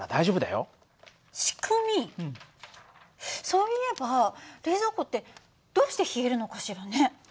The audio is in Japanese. そういえば冷蔵庫ってどうして冷えるのかしらね？